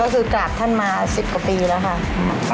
ก็คือกราบท่านมา๑๐กว่าปีแล้วค่ะ